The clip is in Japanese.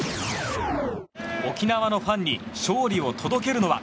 沖縄のファンに勝利を届けるのは。